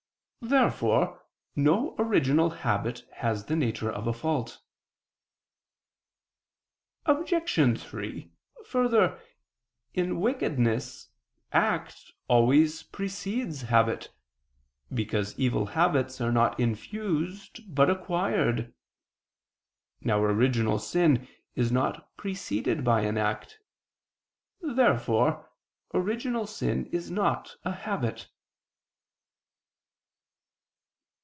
Therefore no original habit has the nature of a fault. Obj. 3: Further, in wickedness act always precedes habit, because evil habits are not infused, but acquired. Now original sin is not preceded by an act. Therefore original sin is not a habit.